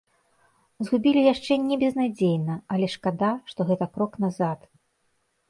Згубілі яшчэ не безнадзейна, але шкада, што гэта крок назад.